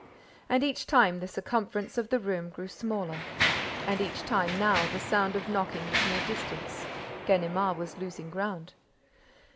And each time the circumference of the room grew smaller. And each time, now, the sound of knocking was more distant. Ganimard was losing ground.